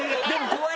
怖い！